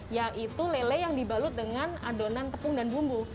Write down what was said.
yaitu lele yang dibalut dengan adonan tepung dan bumbu